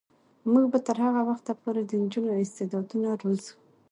موږ به تر هغه وخته پورې د نجونو استعدادونه روزو.